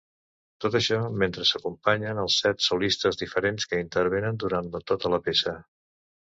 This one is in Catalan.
Tot això, mentre s'acompanyen els set solistes diferents que intervenen durant tota la peça.